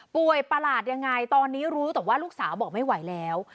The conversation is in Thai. ประหลาดยังไงตอนนี้รู้แต่ว่าลูกสาวบอกไม่ไหวแล้ว